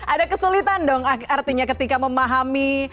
ada kesulitan dong artinya ketika memahami